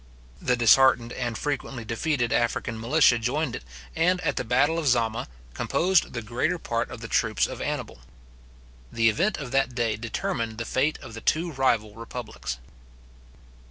The disheartened and frequently defeated African militia joined it, and, at the battle of Zama, composed the greater part of the troops of Annibal. The event of that day determined the fate of the two rival republics.